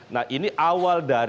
nah ini awal dari